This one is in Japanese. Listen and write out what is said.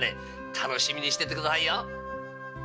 楽しみにしててくださいよ！